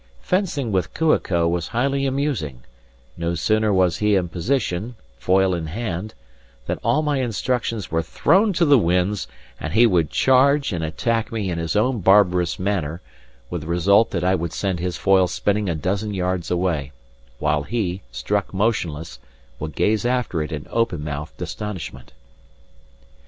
Fencing with Kua ko was highly amusing: no sooner was he in position, foil in hand, than all my instructions were thrown to the winds, and he would charge and attack me in his own barbarous manner, with the result that I would send his foil spinning a dozen yards away, while he, struck motionless, would gaze after it in open mouthed astonishment.